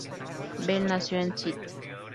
Bell nació en St.